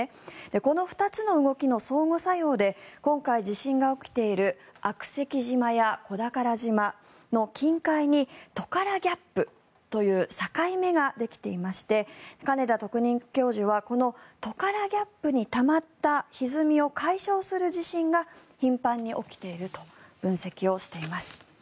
この２つの動きの相互作用で今回、地震が起きている悪石島や小宝島の近海にトカラギャップという境目ができていまして金田特任教授はこのトカラギャップにたまったひずみを解消する地震が頻繁に起きていると分析をしています。